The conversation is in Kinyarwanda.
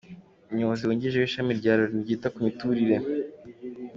Umuyobozi wugirije w’Ishami rya Loni ryita ku miturire, Dr.